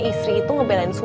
istri itu ngebelain suami